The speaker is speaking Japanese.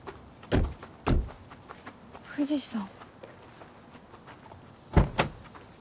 藤さん。